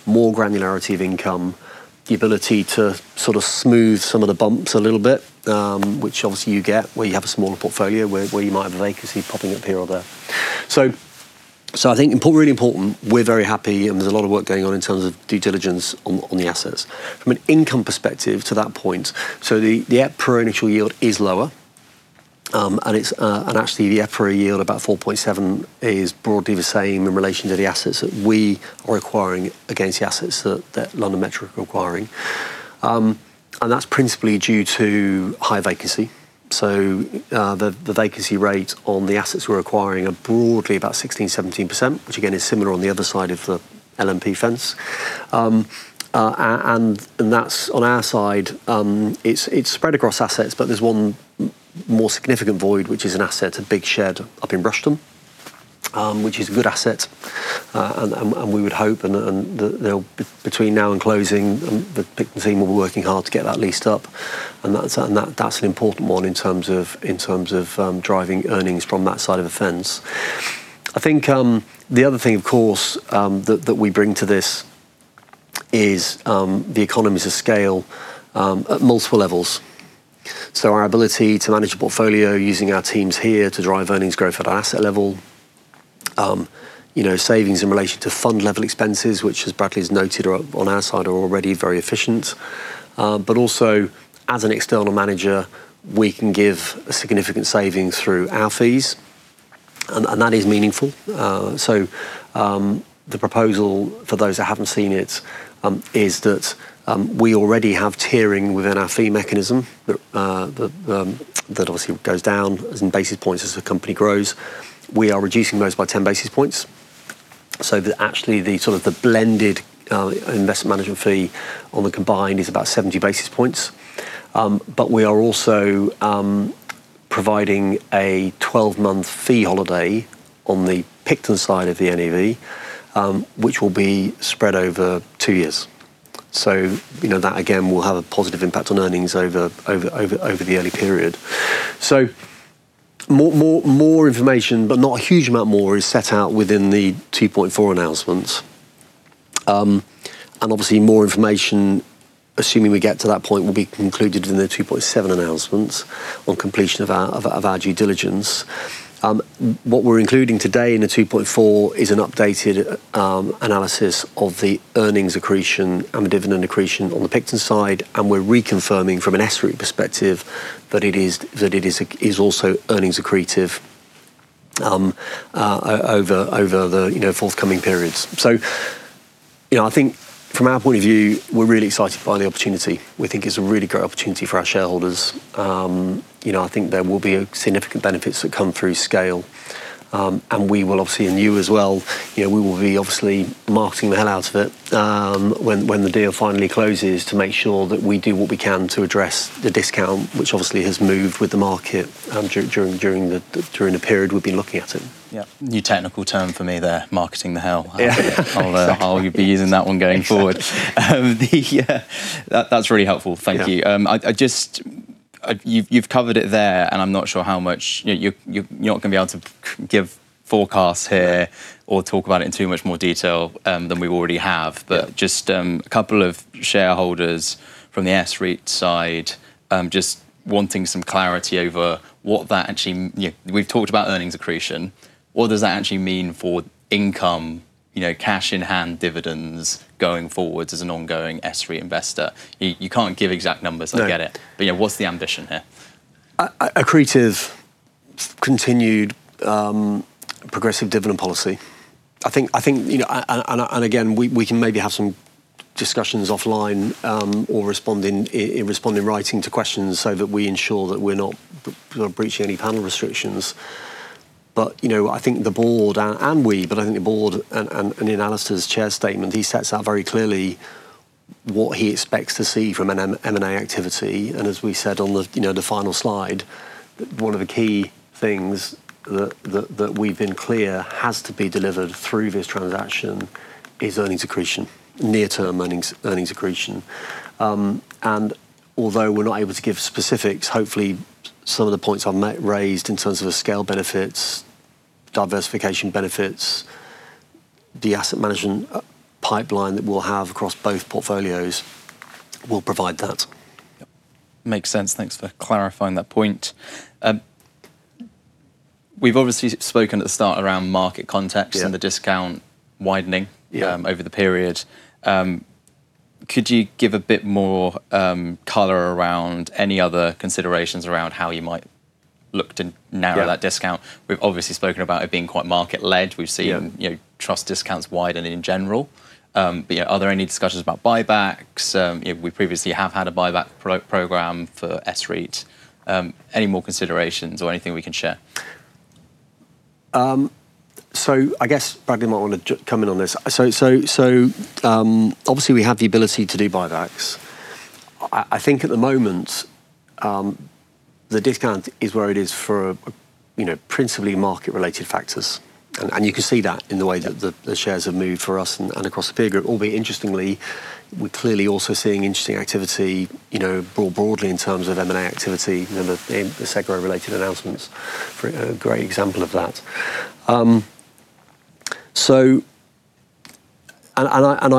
more granularity of income, the ability to sort of smooth some of the bumps a little bit, which obviously you get where you have a smaller portfolio where you might have a vacancy popping up here or there. I think really important. We are very happy, and there is a lot of work going on in terms of due diligence on the assets. From an income perspective to that point, the EPRA initial yield is lower, and actually, the EPRA yield, about 4.7, is broadly the same in relation to the assets that we are acquiring against the assets that LondonMetric are acquiring. That is principally due to high vacancy. The vacancy rate on the assets we are acquiring are broadly about 16%, 17%, which again, is similar on the other side of the LMP fence. That's, on our side, it's spread across assets, but there's one more significant void, which is an asset, a big shed up in Rushden, which is a good asset. We would hope that between now and closing, the team will be working hard to get that leased up, and that's an important one in terms of driving earnings from that side of the fence. The other thing, of course, that we bring to this, is the economies of scale at multiple levels. Our ability to manage a portfolio using our teams here to drive earnings growth at an asset level, savings in relation to fund level expenses, which as Bradley Biggins has noted, are on our side, are already very efficient. Also, as an external manager, we can give significant savings through our fees, and that is meaningful. The proposal for those that haven't seen it, is that we already have tiering within our fee mechanism, that obviously goes down as in basis points as the company grows. We are reducing those by 10 basis points, so that actually the sort of the blended investment management fee on the combined is about 70 basis points. We are also providing a 12-month fee holiday on the Picton side of the NAV, which will be spread over two years. That again, will have a positive impact on earnings over the early period. More information, but not a huge amount more is set out within the 2.4 announcement. Obviously more information, assuming we get to that point, will be concluded in the 2.7 announcement on completion of our due diligence. What we're including today in the 2.4 is an updated analysis of the earnings accretion and the dividend accretion on the Picton side, and we're reconfirming from an SREIT perspective that it is also earnings accretive over the forthcoming periods. From our point of view, we're really excited by the opportunity. We think it's a really great opportunity for our shareholders. There will be significant benefits that come through scale. We will obviously, and you as well, we will be obviously marketing the hell out of it when the deal finally closes to make sure that we do what we can to address the discount, which obviously has moved with the market during the period we've been looking at it. Yeah. New technical term for me there, marketing the hell out of it. Yeah. I'll be using that one going forward. Exactly. That's really helpful. Thank you. You've covered it there, I'm not sure how much you're not going to be able to give forecasts here or talk about it in too much more detail than we already have. Just a couple of shareholders from the SREIT side, just wanting some clarity over what that actually We've talked about earnings accretion. What does that actually mean for income, cash in hand dividends going forwards as an ongoing SREIT investor? You can't give exact numbers, I get it. What's the ambition here? Accretive, continued progressive dividend policy. Again, we can maybe have some discussions offline or respond in writing to questions so that we ensure that we're not breaching any panel restrictions. I think the board, and in Alastair's chair statement, he sets out very clearly what he expects to see from an M&A activity. As we said on the final slide, one of the key things that we've been clear has to be delivered through this transaction is earnings accretion, near-term earnings accretion. Although we're not able to give specifics, hopefully some of the points I've raised in terms of the scale benefits, diversification benefits. The asset management pipeline that we'll have across both portfolios will provide that. Yep. Makes sense. Thanks for clarifying that point. We've obviously spoken at the start around market context. The discount widening over the period. Could you give a bit more color around any other considerations around how you might look to narrow that discount? We've obviously spoken about it being quite market-led. Trust discounts widen in general. Are there any discussions about buybacks? We previously have had a buyback program for SREIT. Any more considerations or anything we can share? I guess Bradley might want to come in on this. Obviously, we have the ability to do buybacks. I think at the moment, the discount is where it is for principally market-related factors. You can see that in the way that the shares have moved for us and across the peer group, albeit interestingly, we're clearly also seeing interesting activity broadly in terms of M&A activity, the SEGRO-related announcements are a great example of that. I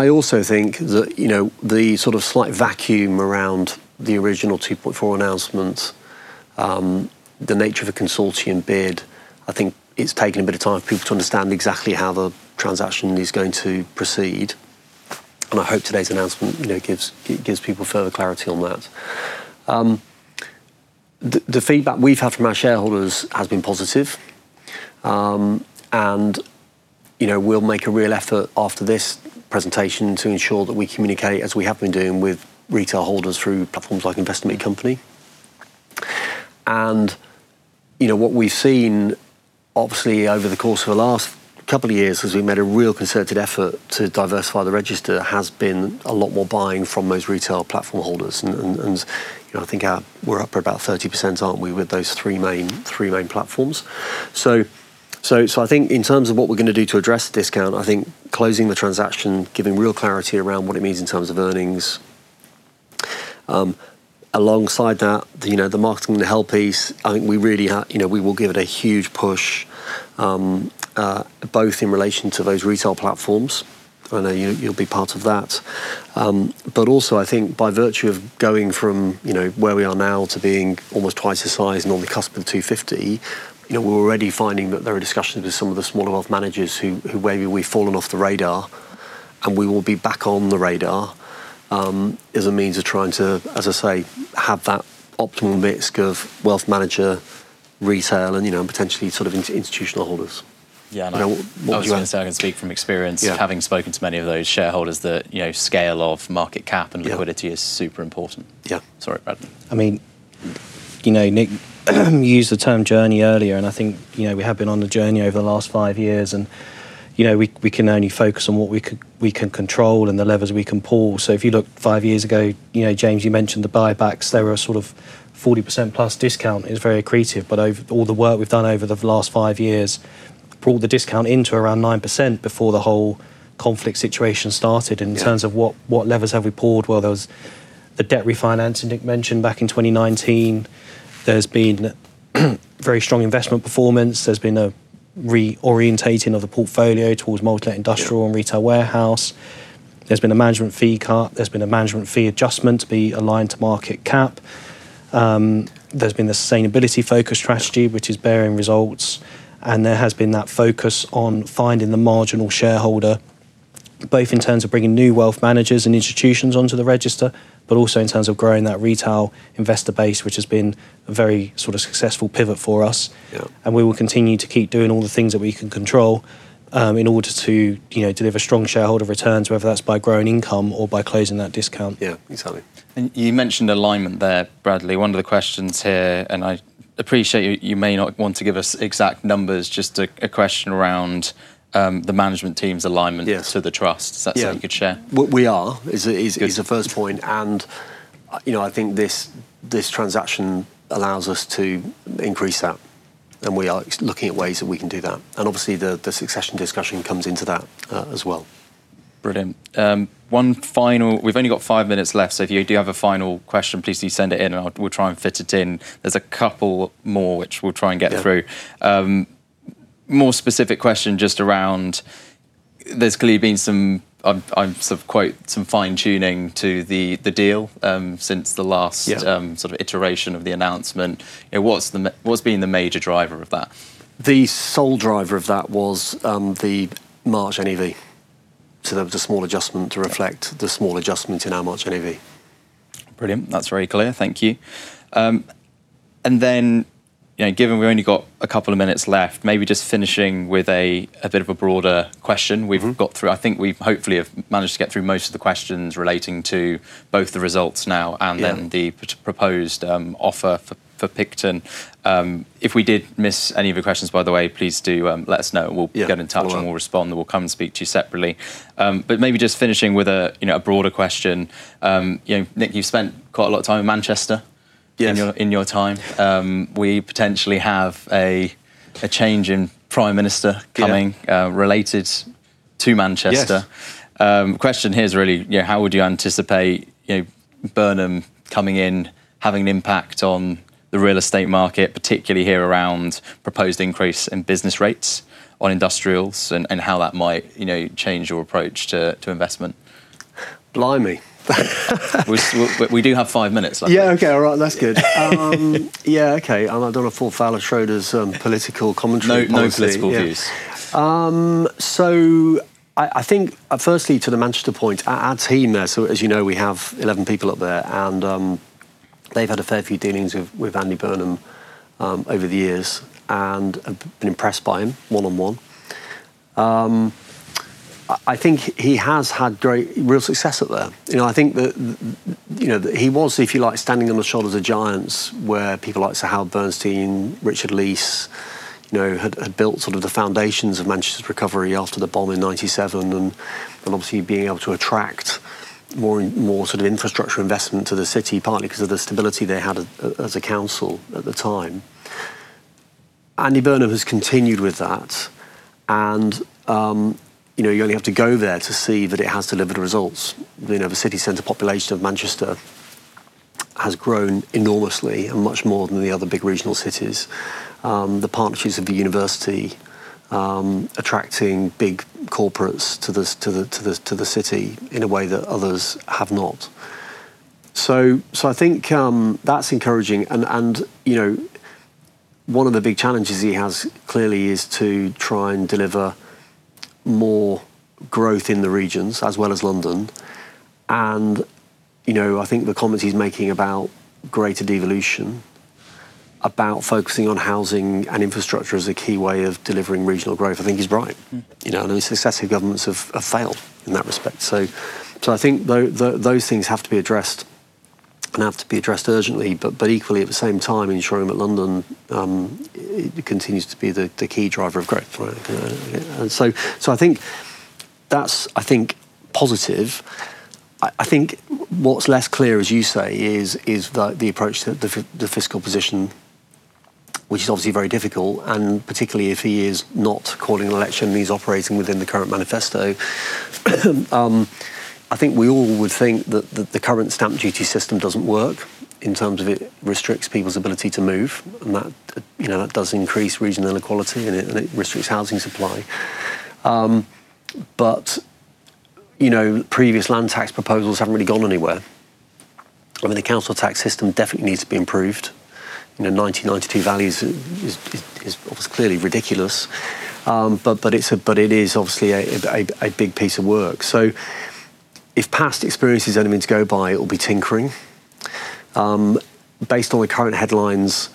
also think that the sort of slight vacuum around the original 2.4 announcement, the nature of a consortium bid, I think it's taken a bit of time for people to understand exactly how the transaction is going to proceed. I hope today's announcement gives people further clarity on that. The feedback we've had from our shareholders has been positive. We'll make a real effort after this presentation to ensure that we communicate, as we have been doing with retail holders through platforms like Investor Meet Company. What we've seen, obviously over the course of the last couple of years, as we made a real concerted effort to diversify the register, has been a lot more buying from those retail platform holders. I think we're up for about 30%, aren't we, with those three main platforms. I think in terms of what we're going to do to address the discount, I think closing the transaction, giving real clarity around what it means in terms of earnings. Alongside that, the marketing to held piece, I think we will give it a huge push, both in relation to those retail platforms, I know you'll be part of that. Also, I think by virtue of going from where we are now to being almost twice the size and on the cusp of 250, we're already finding that there are discussions with some of the smaller wealth managers who maybe we've fallen off the radar, and we will be back on the radar, as a means of trying to, as I say, have that optimal mix of wealth manager, retail, and potentially institutional holders. Yeah. I was going to say, I can speak from experience having spoken to many of those shareholders that scale of market cap and liquidity is super important. Yeah. Sorry, Bradley. Nick, you used the term journey earlier, and I think we have been on a journey over the last five years, and we can only focus on what we can control and the levers we can pull. If you look five years ago, James, you mentioned the buybacks. They were a 40%+ discount. It was very accretive, but over all the work we've done over the last five years brought the discount into around 9% before the whole conflict situation started. In terms of what levers have we pulled, well, there was the debt refinancing Nick mentioned back in 2019. There has been very strong investment performance. There has been a reorientating of the portfolio towards multi-let industrial and retail warehouse. There has been a management fee cut. There has been a management fee adjustment to be aligned to market cap. There has been the sustainability-focused strategy, which is bearing results, and there has been that focus on finding the marginal shareholder, both in terms of bringing new wealth managers and institutions onto the register, but also in terms of growing that retail investor base, which has been a very successful pivot for us. We will continue to keep doing all the things that we can control in order to deliver strong shareholder returns, whether that is by growing income or by closing that discount. Yeah, exactly. You mentioned alignment there, Bradley. One of the questions here, and I appreciate you may not want to give us exact numbers, just a question around the management team's alignment to the trust. Is that something you could share? We are. Good. It's the first point. I think this transaction allows us to increase that, and we are looking at ways that we can do that. Obviously, the succession discussion comes into that as well. Brilliant. We've only got five minutes left. If you do have a final question, please do send it in and we'll try and fit it in. There's a couple more which we'll try and get through. More specific question just around, there's clearly been some, I'll quote, "Some fine-tuning to the deal" since the last iteration of the announcement. What's been the major driver of that? The sole driver of that was the March NAV. There was a small adjustment to reflect the small adjustment in our March NAV. Brilliant. That's very clear. Thank you. Given we've only got a couple of minutes left, maybe just finishing with a bit of a broader question. I think we hopefully have managed to get through most of the questions relating to both the results now. The proposed offer for Picton. If we did miss any of your questions, by the way, please do let us know. We'll get in touch. We'll respond, and we'll come and speak to you separately. Maybe just finishing with a broader question. Nick, you've spent quite a lot of time in Manchester. In your time. We potentially have a change in Prime Minister coming related to Manchester. Yes. Question here is really, how would you anticipate Burnham coming in, having an impact on the real estate market, particularly here around proposed increase in business rates on industrials and how that might change your approach to investment. Blimey. We do have five minutes. Yeah, okay. All right. That's good. Yeah, okay. I don't know full fella Schroders political commentary policy. No political views. I think firstly to the Manchester point, our team there, as you know we have 11 people up there, and they've had a fair few dealings with Andy Burnham over the years and been impressed by him one-on-one. I think he has had real success up there. I think that he was, if you like, standing on the shoulders of giants where people like Sir Howard Bernstein, Richard Leese, had built sort of the foundations of Manchester's recovery after the bomb in 1997, and obviously being able to attract more sort of infrastructure investment to the city, partly because of the stability they had as a council at the time. Andy Burnham has continued with that and you only have to go there to see that it has delivered results. The city center population of Manchester has grown enormously and much more than the other big regional cities. The partnerships of the university, attracting big corporates to the city in a way that others have not. I think that's encouraging and one of the big challenges he has clearly is to try and deliver more growth in the regions as well as London. I think the comments he's making about greater devolution, about focusing on housing and infrastructure as a key way of delivering regional growth, I think he's right. Successive governments have failed in that respect. I think those things have to be addressed and have to be addressed urgently. Equally at the same time, ensuring that London continues to be the key driver of growth. I think that's positive. I think what's less clear, as you say, is the approach to the fiscal position, which is obviously very difficult, and particularly if he is not calling an election and he's operating within the current manifesto. I think we all would think that the current stamp duty system doesn't work in terms of it restricts people's ability to move, and that does increase regional inequality and it restricts housing supply. Previous land tax proposals haven't really gone anywhere. I mean, the council tax system definitely needs to be improved. 1992 values is obviously clearly ridiculous. It is obviously a big piece of work. If past experience is anything to go by, it will be tinkering. Based on the current headlines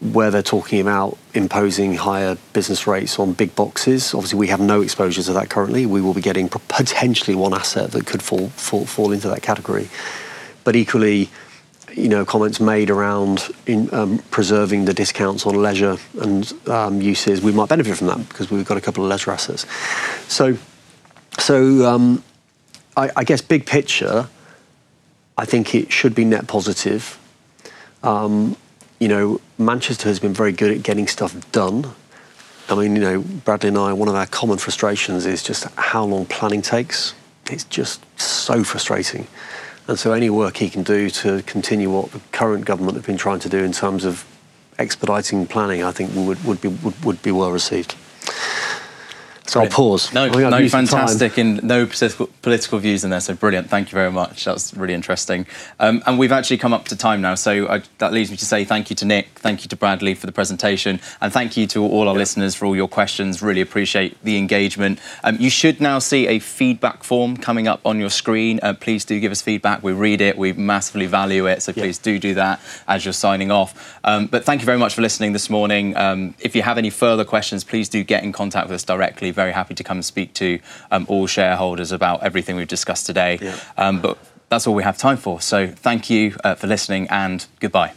where they're talking about imposing higher business rates on big boxes. Obviously, we have no exposure to that currently. We will be getting potentially one asset that could fall into that category. Equally, comments made around preserving the discounts on leisure and uses, we might benefit from them because we've got a couple of leisure assets. I guess big picture, I think it should be net positive. Manchester has been very good at getting stuff done. I mean, Bradley and I, one of our common frustrations is just how long planning takes. It's just so frustrating, any work he can do to continue what the current government have been trying to do in terms of expediting planning, I think would be well received. I'll pause. We have limited time. No, fantastic and no political views in there, so brilliant. Thank you very much. That's really interesting. We've actually come up to time now. That leads me to say thank you to Nick, thank you to Bradley for the presentation, and thank you to all our listeners for all your questions. Really appreciate the engagement. You should now see a feedback form coming up on your screen. Please do give us feedback. We read it. We massively value it. Please do that as you're signing off. Thank you very much for listening this morning. If you have any further questions, please do get in contact with us directly. Very happy to come and speak to all shareholders about everything we've discussed today. Yeah. That's all we have time for. Thank you for listening and goodbye.